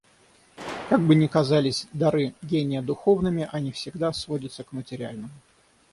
Как бы ни казались дары гения духовными, они всегда сводятся к материальному.